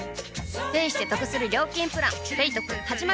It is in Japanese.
ペイしてトクする料金プラン「ペイトク」始まる！